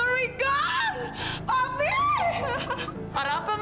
negeri aku berambil